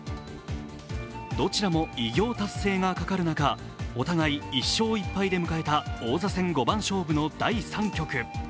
どちらも偉業達成がかかる中、お互い、１勝１敗で迎えた王座戦五番勝負の第３局。